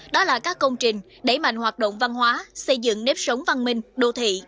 đó là các công trình đẩy mạnh hoạt động văn hóa xây dựng nếp sống văn minh đô thị